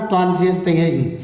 toàn diện tình hình